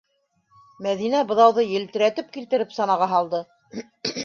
- Мәҙинә быҙауҙы елтерәтеп килтереп санаға һалды.